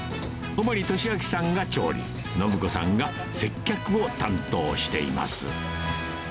主に利昭さんが調理、申子さんが接客を担当しています。